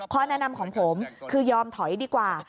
แนะนำของผมคือยอมถอยดีกว่า